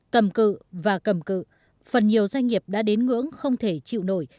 cầm cự và cầm cự phần nhiều doanh nghiệp đã đến ngưỡng không thể chịu nổi